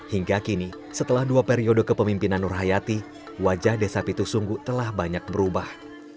hingga kini setelah dua periode kepemimpinan nur hayati wajah desa pitusunggu telah banyak berubah